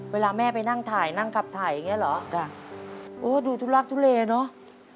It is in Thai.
เวลาแม่ไปนั่งถ่ายนั่งขับถ่ายอย่างเงี้เหรอจ้ะโอ้ดูทุลักทุเลเนอะ